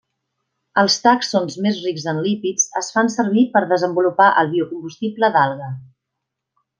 Els tàxons més rics en lípids es fan servir per desenvolupar el biocombustible d'alga.